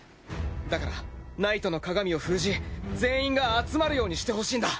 だからナイトの鏡を封じ全員が集まるようにしてほしいんだ。